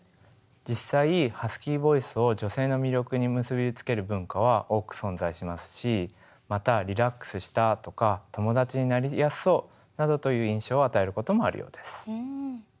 実際ハスキーボイスを女性の魅力に結び付ける文化は多く存在しますしまたリラックスしたとか友達になりやすそうなどという印象を与えることもあるようです。